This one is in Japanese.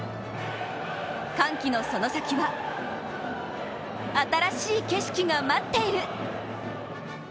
歓喜のその先は、新しい景色が待っている。